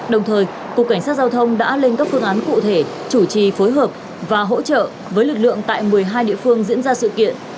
đồng thời cục cảnh sát giao thông đã lên các phương án cụ thể chủ trì phối hợp và hỗ trợ với lực lượng tại một mươi hai địa phương diễn ra sự kiện